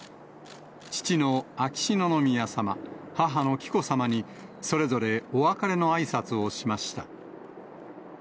父の秋篠宮さま、母の紀子さまにそれぞれお別れのあいさつをしました。